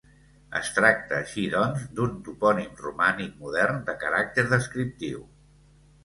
Es tracta, així, doncs, d'un topònim romànic modern de caràcter descriptiu.